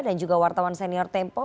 dan juga wartawan senior tempo